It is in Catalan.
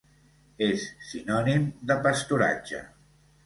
És sinònim de pasturatge.